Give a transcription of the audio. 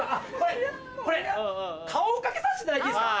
これ顔をかけさせていただいていいですか？